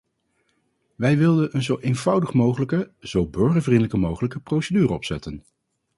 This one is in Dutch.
Wij wilden een zo eenvoudige mogelijke, zo burgervriendelijk mogelijke procedure opzetten.